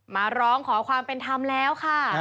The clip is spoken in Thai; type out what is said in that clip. มาร้องขอความเป็นธรรมแล้วค่ะ